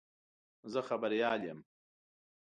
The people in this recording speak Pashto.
زه خبریال یم.